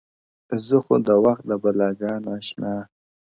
زه خو د وخت د بـلاگـانـــو اشـنا.!